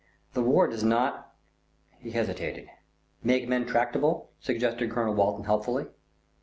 "The war does not " He hesitated. "Make men tractable," suggested Colonel Walton helpfully.